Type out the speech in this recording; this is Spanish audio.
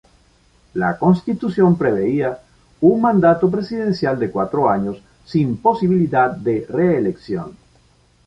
La Constitución preveía un mandato presidencial de cuatro años, sin posibilidad de reelección.